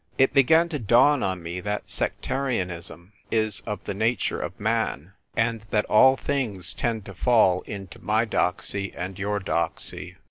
It began to dawn on me that sectarianism is of the nature of man, and that all things tend to fall into my doxy and your doxy.